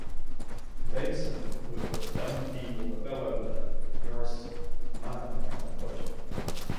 Davison worked with double Ivor Novello winner Joris de Man on the project.